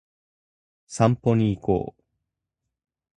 散歩に行こう